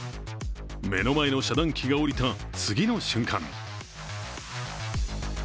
目の前の遮断機が下りた次の瞬間。